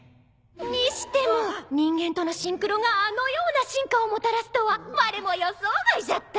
にしても人間とのシンクロがあのような進化をもたらすとはわれも予想外じゃった！